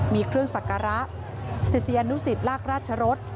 มีเครื่องสักการะศิษยานุสิตลากราชรส